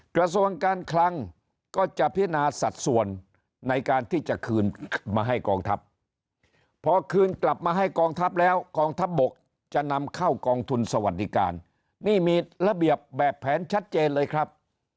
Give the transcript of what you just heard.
กระทรวงการคลังก็จะพินาสัดส่วนในการที่จะคืนมาให้กองทัพพอคืนกลับมาให้กองทัพแล้วกองทัพบกจะนำเข้ากองทุนสวัสดิการนี่มีระเบียบแบบแผนชัดเจนเลยครับ